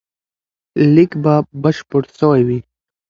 لیک به بشپړ سوی وي.